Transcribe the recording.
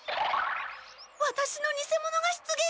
ワタシの偽者が出現した！？